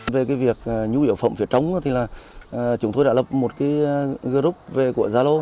về việc nhu yếu phòng phía trống thì chúng tôi đã lập một group về của gia lô